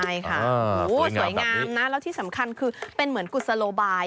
ใช่ค่ะสวยงามนะแล้วที่สำคัญคือเป็นเหมือนกุศโลบาย